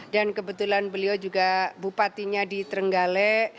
dan kebetulan beliau juga bupatinya di terenggale